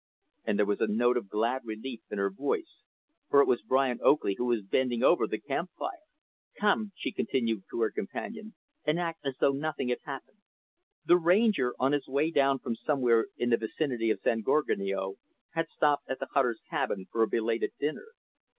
And there was a note of glad relief in her voice, for it was Brian Oakley who was bending over the camp fire "Come," she continued to her companion, "and act as though nothing had happened." The Ranger, on his way down from somewhere in the vicinity of San Gorgonio, had stopped at the hunters' camp for a belated dinner.